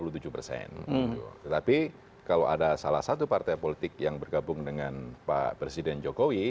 tetapi kalau ada salah satu partai politik yang bergabung dengan pak presiden jokowi